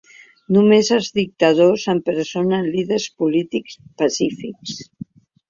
Només els dictadors empresonen líders polítics pacífics.